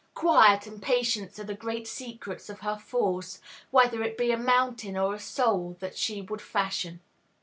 Quiet and patience are the great secrets of her force, whether it be a mountain or a soul that she would fashion.